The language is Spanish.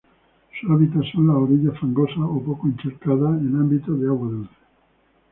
Su hábitat son las orillas fangosas o poco encharcadas en ambientes de agua dulce.